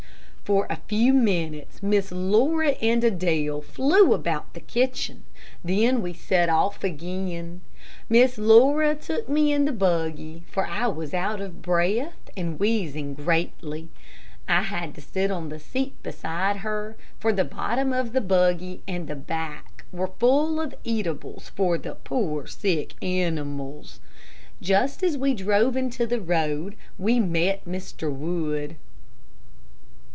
For a few minutes, Miss Laura and Adele flew about the kitchen, then we set off again. Miss Laura took me in the buggy, for I was out of breath and wheezing greatly. I had to sit on the seat beside her, for the bottom of the buggy and the back were full of eatables for the poor sick animals. Just as we drove into the road, we met Mr. Wood.